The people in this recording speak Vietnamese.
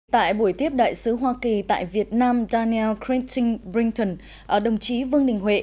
tại buổi tiếp đại sứ hoa kỳ tại việt nam daniel kenting brinton đồng chí vương đình huệ